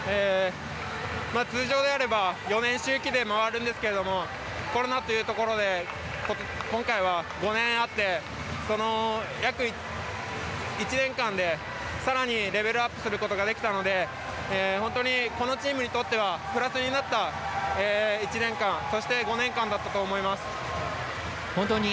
通常であれば４年周期で回るんですけどもコロナというところで今回は５年あってその約１年間でさらにレベルアップすることができたので本当にこのチームにとってはプラスになった１年間、そして５年間だったと思います。